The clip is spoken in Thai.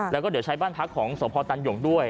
แล้วก็เดี๋ยวใช้บ้านพักของสพตันหยกด้วย